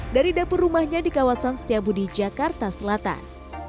dari dapur rumahnya di kawasan setiabudi jakarta selatan